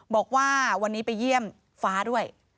บอกว่าวันนี้ไปเยี่ยมฟ้าด้วย